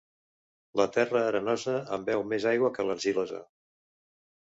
La terra arenosa embeu més aigua que l'argilosa.